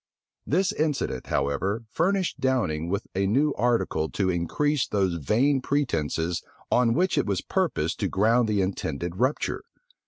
This incident, however, furnished Downing with a new article to increase those vain pretences on which it was purposed to ground the intended rupture.